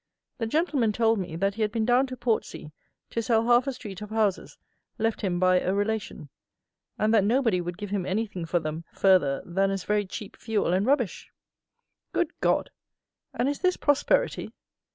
The gentleman told me that he had been down to Portsea to sell half a street of houses, left him by a relation; and that nobody would give him anything for them further than as very cheap fuel and rubbish! Good God! And is this "prosperity?"